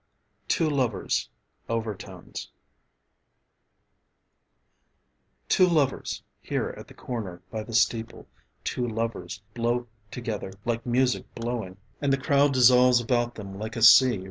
TWO LOVERS: OVERTONES Two lovers, here at the corner, by the steeple, Two lovers blow together like music blowing: And the crowd dissolves about them like a sea.